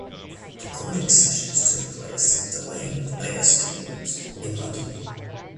Recording sessions took place at De Lane Lea Studios in London.